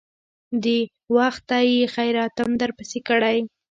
د وخته يې خيراتم درپسې کړى.